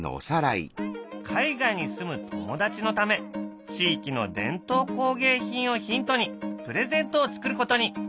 海外に住む友達のため地域の伝統工芸品をヒントにプレゼントを作ることに。